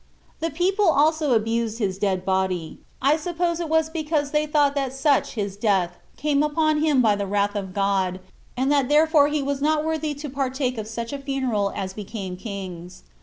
The people also abused his dead body; I suppose it was because they thought that such his death came upon him by the wrath of God, and that therefore he was not worthy to partake of such a funeral as became kings.